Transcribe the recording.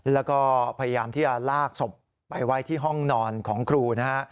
แล้วก็พยายามที่จะลากศพไปไว้ที่ห้องนอนของครูนะฮะ